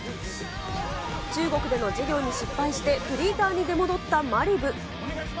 中国での事業に失敗してフリーターに出戻ったまりぶ。